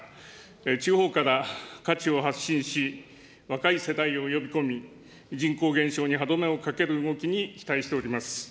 地方から価値を発信し、若い世代を呼び込み、人口減少に歯止めをかける動きに期待しております。